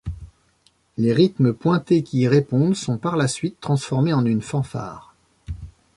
Les rythmes pointés qui y répondent sont par la suite transformés en une fanfare.